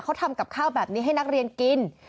เขาทำกับข้าวแบบนี้ให้นักเรียนกิน